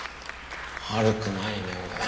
悪くないねこれ。